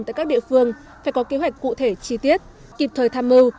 tại các địa phương phải có kế hoạch cụ thể chi tiết kịp thời tham mưu